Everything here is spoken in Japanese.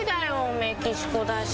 メキシコだし。